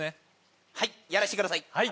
はいやらせてください。